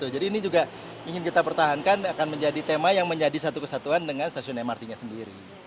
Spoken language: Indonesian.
jadi ini juga ingin kita pertahankan akan menjadi tema yang menjadi satu kesatuan dengan stasiun mrt nya sendiri